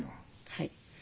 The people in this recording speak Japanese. はい。